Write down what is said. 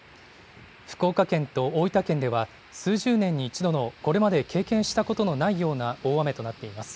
福岡県と大分県では数十年に一度のこれまで経験したことのないような大雨となっています。